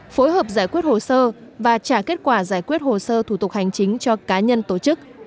phối hợp giải quyết hồ sơ và trả kết quả giải quyết hồ sơ thủ tục hành chính cho cá nhân tổ chức